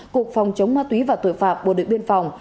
cục phòng chống ma túy và tội phạm bộ đội biên phòng